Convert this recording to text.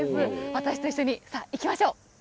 私と一緒に、さあ、行きましょう。